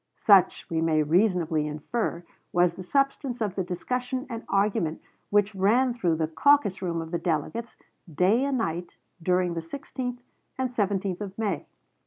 Such, we may reasonably infer, was the substance of the discussion and argument which ran through the caucus rooms of the delegates, day and night, during the 16th and 17th of May.